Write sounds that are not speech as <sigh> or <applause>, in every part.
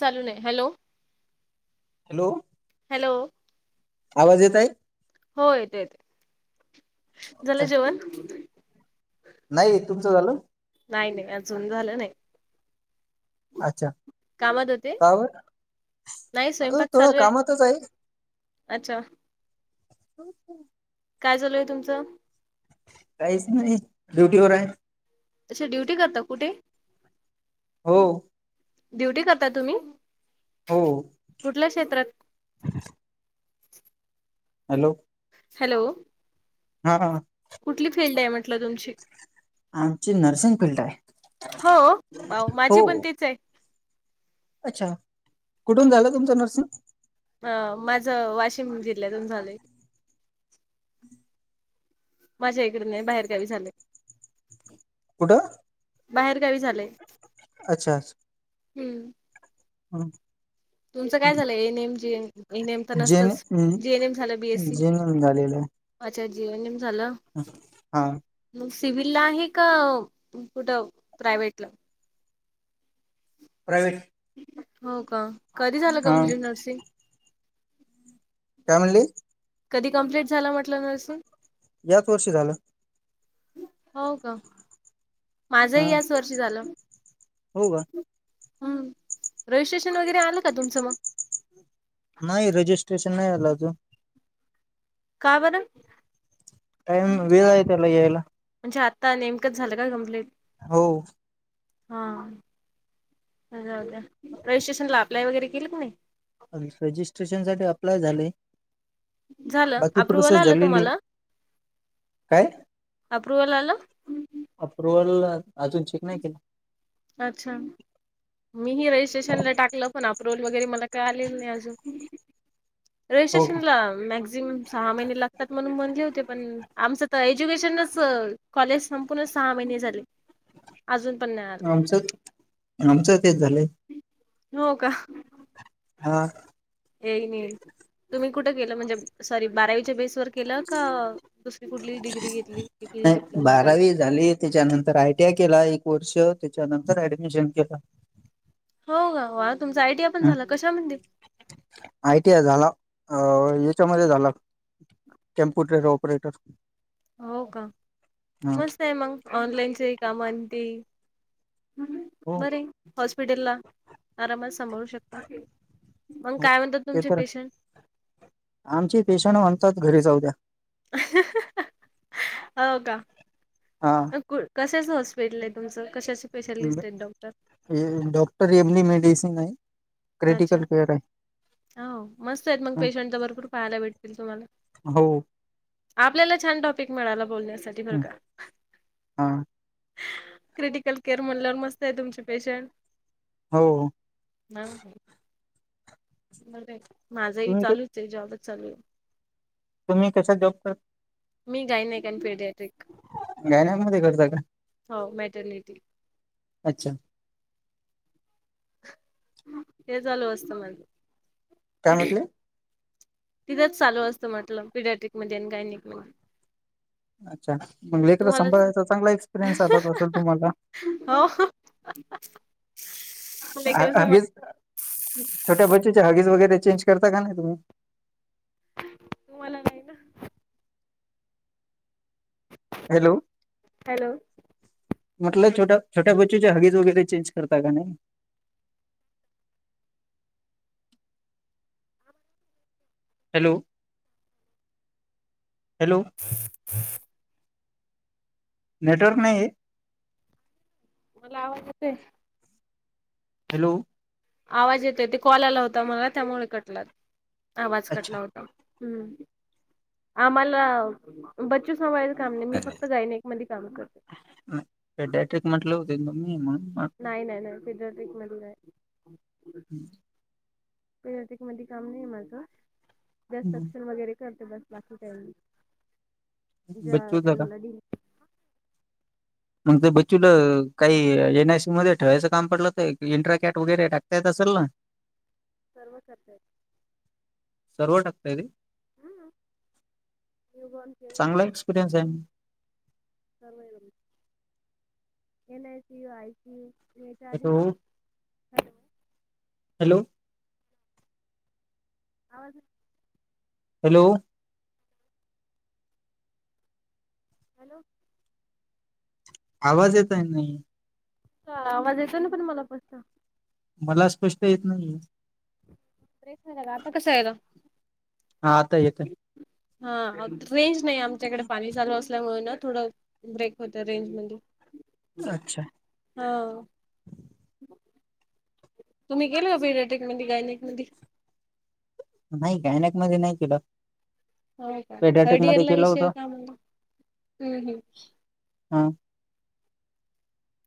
चालू नाय, hello. Hello, hello आवाज येतोय? हो येतोय, झालं अच्छा जेवण? नाही, तुमचं झालं? नाही नाही, अजून झाल नाही. अच्छा कामात होते का बर, नाही हा स्वयंपाक थोड चालू कामातच आहे. अच्छा! <unintelligible> काय चालूय तुमचं? काहीच नाही, ड्युटी वर आहे! अच्छा ड्युटी करता, कुठे? हो. ड्युटी करतात तुम्ही? हो. कुठल्या क्षेत्रात हॅलो. हॅलो. हा. कुठली फिल्ड आहे म्हटलं तुमची? आमची नर्सिंग फिल्ड आहे. हो माझी हो पण तीच आहे. अच्छा, कुठून झालं तुमचं नर्सिंग? अ माझं वाशिम जिल्ह्यातून झालंय. माझ्या इकड नाही, बाहेरगावी झालंय. कुठं? बाहेर गावी झालय. अच्छा. हम्म. हो तुमचं काय झालं एनएम जीए, एनएम तर जेन नसतच, जीएनएम झालं बीएससी. जेन झालेलं आहे अच्छा जेनीन झालं हा मग सिव्हिलला आहे का, कुठं प्रायव्टला? प्रायवेट? हो का कधी झालं कमप्लीट नर्सिंग काय म्हणली कधी कंप्लीट झाला म्हटलं नर्सिंग याच वर्षी झालं हाव का हा माझही याच वर्षी झालं हो का हम् रजिस्ट्रेशन वगैरे आलं का तुमचं मग नाही रजिस्ट्रेशन नाही आल अजून का बरं? टईम वेळ आहे त्याला येयाला म्हणजे आता नेमकंच झालं काय कमप्लीट हो हा रजिस्ट्रेशन ला अप्लाय वगैरे केल कनई रजिस्ट्रेशन साठी अप्लाय झाले झालं बाकी अप्रुवल प्रोसेस आलं झालेली आहे. तुम्हाला काय अप्रुवल आलं अप्रुवल अजून चेक नाही केल अच्छा मीही रजिस्ट्रेशनला टाकलं पण अप्रुव्हल वगैरे मला काय आलेलं नाही अजून हो रिस्ट्रेन का ला मॅक्स जिमम सहा महिने लागतात म्हणून म्हणले होते पण आमचं तर एज्युकेशनच कॉलेज संपूनच सहा महिने झाले अजून पण नाही आलं आमच, आमचं तेच झालंय हो का हा येईन, येईन तुम्ही कुठं गेलं म्हणजे सॉरी बारावीच्या बेस वर केलं का दुसरी कुठली डिग्री घेतली नाही डिप्लोमा काही बारावी झाली त्याच्यानंतर आयटीआय केला एक वर्ष त्याच्यानंतर ऍडमिशन केल हो ग वाह तुमचा आय टी या पण झाला कशा मध्ये आय टी आय झाला अ याच्यामध्ये झाला कॉम्प्युटर ऑपरेटर हो का हा मस्त आहे मंग ऑनलाईनचे काम ती हो बरे हॉस्पिटल ला आरामात सांभाळू शकता मग हो काय म्हणत तुमच पेशंट आमची पेशंट म्हणतात घरी जाऊद्या अ हा, हा हाव का हा कु कशाचं हॉस्पिटल आहे तुमचं कशाच स्पेशलिस्ट आहेत डॉक्टर डॉक्टर एमली मेडिसिन आहे क्रिटिकल केअर आहे हाव मस्त आहेत मग पेशंट तर भरपूर पाहायला भेटतील तुम्हाला हो आपल्याला छान टॉपिक मिळाला बोलण्यासाठी बर का हा क्रिटिकल केअर म्हणल्यावर मस्त आहे तुमचे पेशंट हो हाव माझाही तुम्ही चालूच आहे जॉबच चालू आहे तुम्ही कशात जॉब कर मी गा नाहीक आणि पिडतिक गायणेकमध्ये करता कां. हो मॅटर्निटी. अच्छा. <unintelligible> काय म्हटले. तिथंच चालू असतं म्हटलं पिडॅट्रिक मध्ये आणि गायणिक मध्ये. अच्छा, मग लेकर तुम्हाला संभायचा चांगला. एक्सपिरियन्स आलात असल तुम्हाला. <unintelligible> लेकरच हगीच छोट्या बचीच्या हगीच वगैरे, चेंज करता का नाही तुम्ही? तुम्हांला नाही ना. हॅलो. हॅलो. म्हटलं छोट्या छोट्या बच्चूच्या हगीज वगैरे चेंज करता की नाही. Hello hello. नेटवर्क नाही ये. मला आवाज येते. हॅलो. आवाज येतो ते कॉल आला होता, मला त्यामुळे कटला आवाज अच्छा कटला होता. हम्म, आम्हाला. बच्चू सभळायचं काम नाही, मी फक्त गायनिक मध्ये काम करते. पेडॅट्रिक म्हटलं होते ना मी म्हणून म्हटलं. नाही नाही नाही फिडरल ट्रीटमेंट. <unintelligible> <unintelligible> हम्म. वगैरे करते बस. बच्चूचं का <unintelligible> मग ते बच्चूला काही एनआय सी मध्ये, ठेवायचं काम पडलं तर इंट्राकॅट वगैरे टाकता येत असेल ना. सर्व करत्यात. सर्व टाकतय ते, हम्म न्यू बॉर्न केअर चांगला एक्सपिरियन्स आहे मग. <unintelligible> याच्या आधी hello hello hello. <inaudible> Hello. Hello. आवाज येत आहे नाही. आवाज येतो ना, पण मला स्पष्ट. मला स्पष्ट येत नाहीे. <unintelligible> आता कसं आयला. हां आता येतोय. हा रेंज नाही. आमच्याकडे पाणी चालू असल्यामुळं ना थोडं, ब्रेक होत, रेंज मध्ये अच्छा हां. तुम्ही गेलं होते पीर्यटक मध्ये गायणीक मधी. नाही गायनाक मध्ये नाही केलं. हो का, पेडॅटिक थर्ड इयर मध्ये ला केलं विषय होतं होता, कां म्हणून ह् ह्. हा.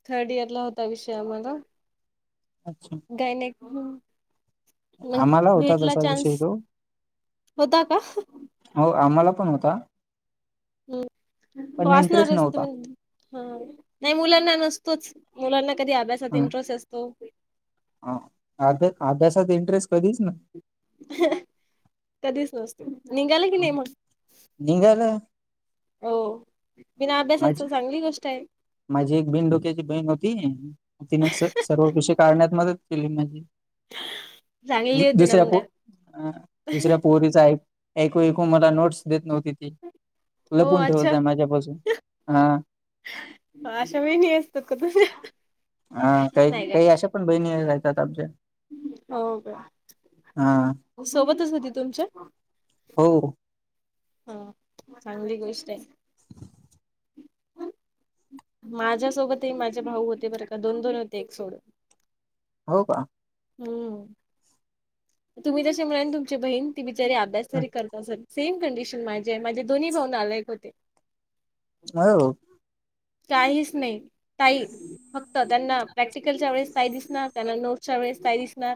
थर्ड इयर ला होता विषय आम्हाला. अच्छा. गायन्याक हम्म. मग आम्हाला होता भेटला तसा चान्स, विषय तो होता का? हो आम्हाला पण होता, हम्म पण इंटरेस्ट वाचणारच नव्हता. तुम्ही हा, नाही मुलांना नसतोच. मुलांना कधी अभ्यासात इंटरेस्ट असतो. हा, अभ्यासात इंटरेस्ट कधीच नाही. कधीच नसतो, निघाले की नाही मग. निघालं. बीना अभ्यासाच माझी चांगली गोष्ट आहे. माझी एक बीण डोक्याची बहीण होती. तिन स सर्व कुष काढण्यात मदत केली माझी. चांगली होती ना दुसऱ्या मग पो अ दुसऱ्या पोरीचा ऐक. ऐकू ऐकू मला नोट्स देत नव्हती. ती हो लपून अच्छा ठेवत जा माझ्यापासून हां. आश्या बहिणी असतात का तुझ्या. हा काही नाही काय. काही अशा, पण बहिणी राहतात आमच्या. हो का, हा सोबतच होती तुमच्या. हो. हा चांगली गोष्ट ये. <unintelligible> माझ्यासोबतही माझे भाऊ होते, बरं का दोन दोन होते एक सोडून. हो का. हम्म, तुम्ही तसे मिळेल तुमची बहीण. ती बिचारी अभ्यासरी तरी करत असल, सेम कंडिशन माझे, माझे दोन्ही भाऊ नालायक होते. हो. काहीच नाही. ताई फक्त त्यांना प्रॅक्टिकलच्या वेळेस ताई दिसणार. त्यांना नोटच्या वेळेस ताई दिसनार,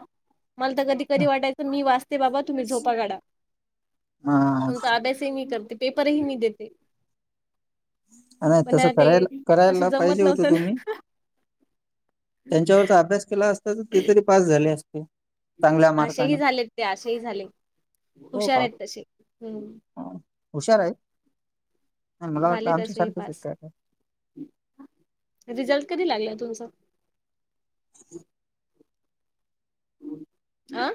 मला तर कधी. कधी हा वाटायच मी वाचते बाबा, तुम्ही झोपा काढा तुमचा अभ्यास. ते मी करते पेपरही मी देते. नाही पण तसं ते करायला करायला, तसं पाहिजे जमत होतं नव्हतं तुम्ही. ना. त्यांच्यावरचा अभ्यास केला असता, तर ते तरी पास झाले असते. चांगल्या अशा ही मार्काने झाले ते अशा ही झाले, हो हुशार का आहेत तसे हम्म. हा. हुशार आहेत, नाही मला वाटलं झाले तसे आमच्यासारखेच आहेत पास काय. रिझल्ट कधी लागला तुमचा. आ..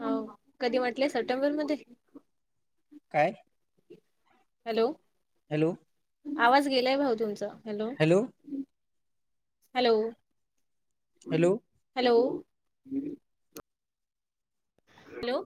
हो कधी म्हटलेय सप्टेंबर मध्ये. काय? हॅलो. हॅलो. आवाज गेलाय, भाऊ तुमचा hello. Hello. Hello. Hello. Hello.